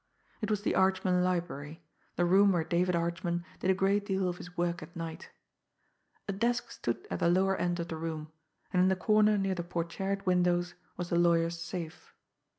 It was the Archman library, the room where David Archman did a great deal of his work at night A desk stood at the lower end of the room; and in the corner near the portièred windows was the lawyer's safe.